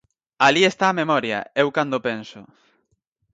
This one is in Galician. Alí está a memoria, eu cando penso.